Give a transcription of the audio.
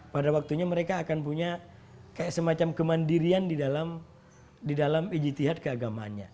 pada waktunya mereka akan punya semacam kemandirian di dalam ijitihad keagamaannya